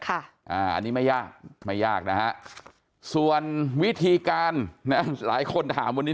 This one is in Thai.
อันนี้ไม่ยากไม่ยากนะฮะส่วนวิธีการนะหลายคนถามวันนี้